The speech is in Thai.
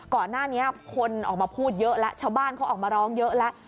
ก่อนหน้านี้คนออกมาพูดเยอะแล้วชาวบ้านเขาออกมาร้องเยอะแล้ว